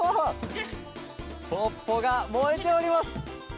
ポッポがもえております！